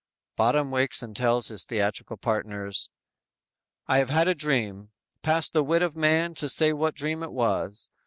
"_ Bottom wakes and tells his theatrical partners: _"I have had a dream, past the wit of man to say what dream it was.